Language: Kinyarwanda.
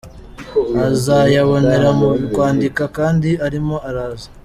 Azayabonera mu kwandika, kandi arimo araza !